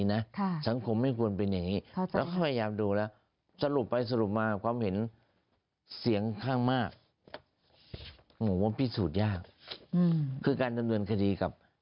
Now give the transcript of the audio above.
หมอยังเดียวคงไม่ใช่